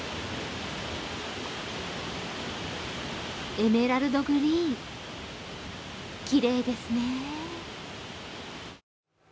エメラルドグリーン、きれいですね。